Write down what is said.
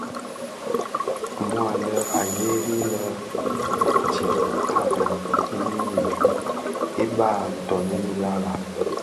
Mua a lè a gheri lè dhib a bhen i zi infin i bagha ntoňèn dhyaba.